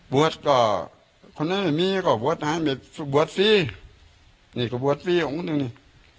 บวชก็คนไหนไม่มีก็บวชนะบวชฟรีนี่ก็บวชฟรีของเขาดูนี่